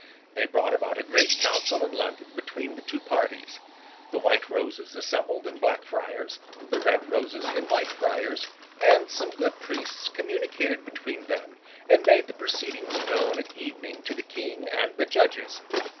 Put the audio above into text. They brought about a great council in London between the two parties. The White Roses assembled in Blackfriars, the Red Roses in Whitefriars; and some good priests communicated between them, and made the proceedings known at evening to the King and the judges.